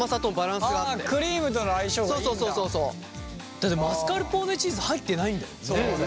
だってマスカルポーネチーズ入ってないんだよ？